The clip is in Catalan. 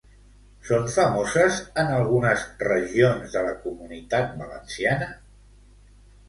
Són famoses en algunes regions de la Comunitat Valenciana?